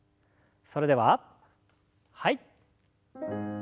それでははい。